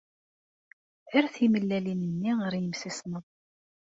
Err timellalin-nni ɣer yemsismeḍ.